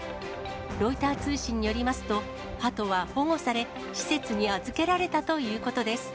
ロイター通信によりますと、ハトは保護され、施設に預けられたということです。